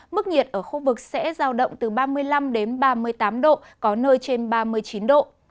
mức nhiệt ở khu vực sẽ giao động từ ba mươi năm đến ba mươi tám độ có nơi trên ba mươi chín độ